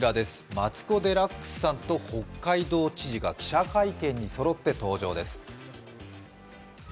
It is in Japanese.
マツコ・デラックスさんと北海道知事が記者会見にそろって登場です。